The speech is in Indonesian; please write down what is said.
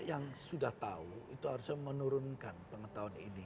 yang sudah tahu itu harusnya menurunkan pengetahuan ini